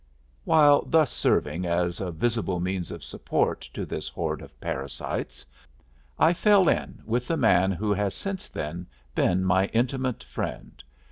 While thus serving as a visible means of support to this horde of parasites, I fell in with the man who has since then been my intimate friend.